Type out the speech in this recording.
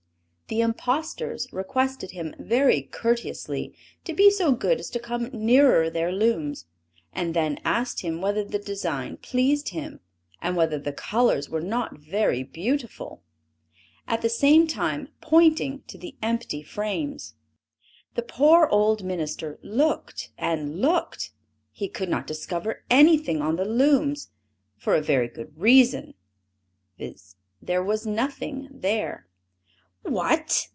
The impostors requested him very courteously to be so good as to come nearer their looms; and then asked him whether the design pleased him, and whether the colors were not very beautiful; at the same time pointing to the empty frames. The poor old minister looked and looked, he could not discover anything on the looms, for a very good reason, viz: there was nothing there. "What!"